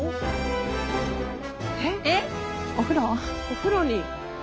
お風呂に。